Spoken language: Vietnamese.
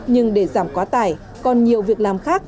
nhưng để giảm quá tải còn nhiều việc làm khác